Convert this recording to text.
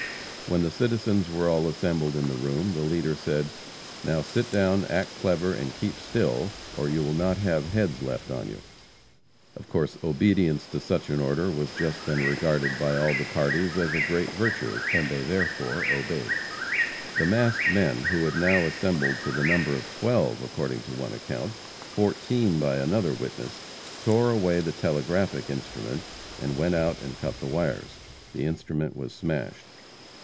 When the citizens were all assembled in the room, the leader said: "Now, sit down, act clever and keep still, or you will not have heads left on you." Of course, obedience to such an order was just then regarded by all the parties as a great virtue, and they therefore obeyed. The masked men, who had now assembled to the number of twelve, according to one account fourteen by another witness tore away the telegraphic instrument and went out and cut the wires. The instrument was smashed.